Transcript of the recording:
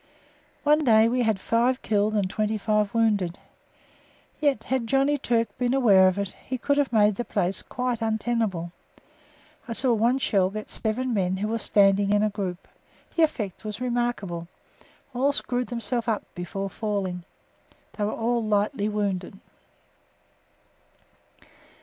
One day we had five killed and twenty five wounded. Yet, had Johnny Turk been aware of it, he could have made the place quite untenable. I saw one shell get seven men who were standing in a group. The effect was remarkable. All screwed themselves up before falling. They were all lightly wounded.